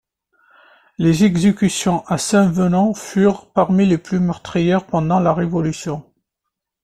Les exécutions à Saint-Venant furent parmi les plus meurtrières pendant la Révolution.